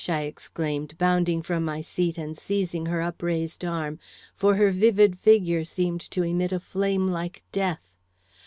I exclaimed, bounding from my seat and seizing her upraised arm; for her vivid figure seemed to emit a flame like death.